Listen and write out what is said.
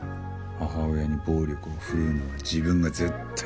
母親に暴力を振るうのは自分が絶対許さないって。